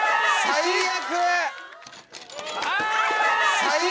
最悪！